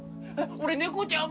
俺猫ちゃん